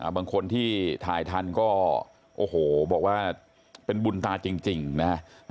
บางคนที่ถ่ายทันก็โอ้โหบอกว่าเป็นบุญตาจริงนะฮะ